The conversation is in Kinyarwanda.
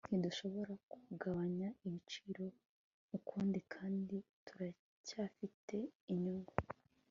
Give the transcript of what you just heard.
ntidushobora kugabanya ibiciro ukundi kandi turacyafite inyungu